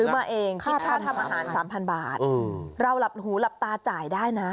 ซื้อมาเองค่าทำอาหาร๓๐๐๐บาทเราหูหลับตาจ่ายได้นะ